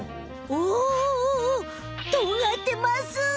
おおとがってます。